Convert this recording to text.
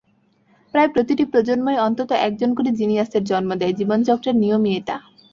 প্রায় প্রতিটি প্রজন্মই অন্তত একজন করে জিনিয়াসের জন্ম দেয়, জীবনচক্রের নিয়মই এটা।